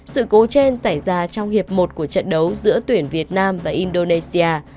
sự cố trên xảy ra trong hiệp một của trận đấu giữa tuyển việt nam và indonesia